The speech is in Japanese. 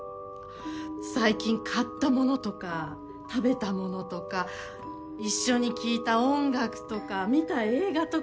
最近買ったものとか食べたものとか一緒に聴いた音楽とか見た映画とか。